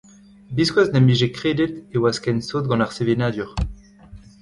Biskoazh ne’m bije kredet e oas ken sot gant ar sevenadur.